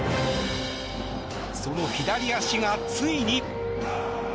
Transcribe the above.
その左足が、ついに。